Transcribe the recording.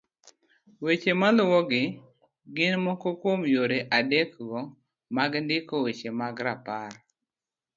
Weche maluwogi gin moko kuom yore adekgo mag ndiko weche mag rapar